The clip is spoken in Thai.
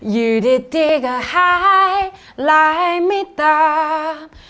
อยู่ดีก็ไฮไลน์ไม่ต่าง